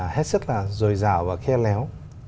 hết sức là dồi dào và khe léo